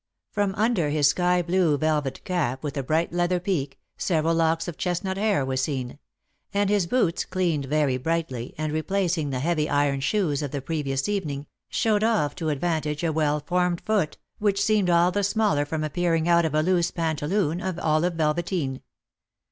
From under his sky blue velvet cap, with a bright leather peak, several locks of chestnut hair were seen; and his boots, cleaned very brightly, and replacing the heavy iron shoes of the previous evening, showed off to advantage a well formed foot, which seemed all the smaller from appearing out of a loose pantaloon of olive velveteen.